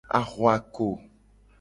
Ahuako.